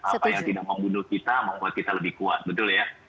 apa yang tidak membunuh kita membuat kita lebih kuat betul ya